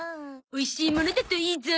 おいしいものだといいゾ。